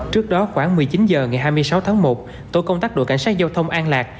trước đó khoảng một mươi chín h ngày hai mươi sáu tháng một tổ công tác đội cảnh sát giao thông an lạc